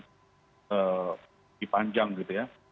lebih panjang gitu ya